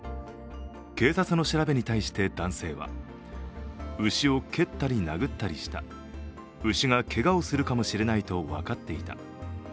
警察の調べに対して男性は牛を蹴ったり殴ったりした、牛がけがをするかもしれないと分かっていた。